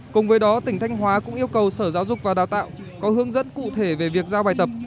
cùng với đó tỉnh thanh hóa cũng yêu cầu sở giáo dục và đào tạo có hướng dẫn cụ thể về việc giao bài tập